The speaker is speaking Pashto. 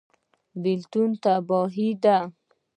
بیلتون تباهي ده